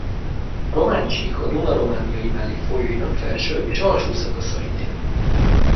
A román csík a Duna romániai mellékfolyóinak felső és alsó szakaszain él.